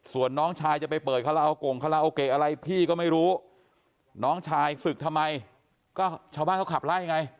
ส่วนน้องชายจะไปเปิดคาราโอโก่งคาราโอเกะอะไรพี่ก็ไม่รู้น้องชายศึกทำไมก็ชาวบ้านเขาขับไล่ไง